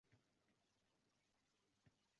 Jim turish uchun, sukut saqlamang